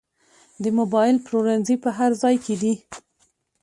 د موبایل پلورنځي په هر ځای کې دي